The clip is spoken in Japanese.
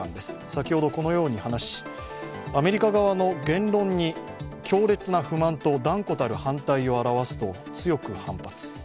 先ほどこのように話し、アメリカ側の言論に強烈な不満と断固たる反対を表すと強く反発。